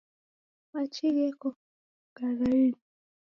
Machi gheko ngarainyi.